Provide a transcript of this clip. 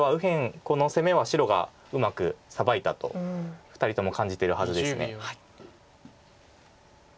この攻めは白がうまくサバいたと２人とも感じてるはずです。